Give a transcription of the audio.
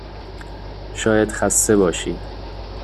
شاید خسته باشید.